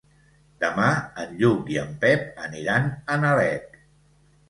Demà en Lluc i en Pep aniran a Nalec.